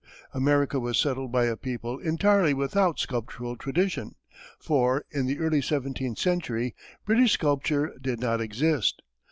America was settled by a people entirely without sculptural tradition, for, in the early seventeenth century, British sculpture did not exist.